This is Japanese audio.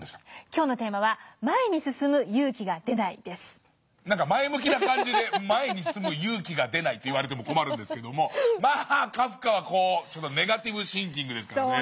今日のテーマは何か前向きな感じで「前に進む勇気が出ない」と言われても困るんですけどもカフカはネガティブシンキングですからね。